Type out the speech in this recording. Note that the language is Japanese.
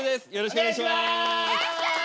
お願いします！